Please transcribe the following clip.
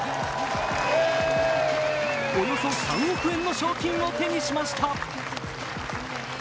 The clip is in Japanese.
およそ３億円の賞金を手にしました